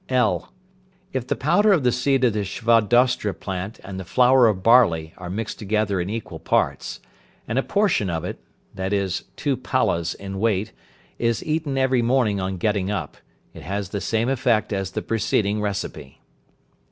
(l). If the powder of the seed of the shvadaushtra plant and the flower of barley are mixed together in equal parts, and a portion of it, i.e., two palas in weight, is eaten every morning on getting up, it has the same effect as the preceding recipe.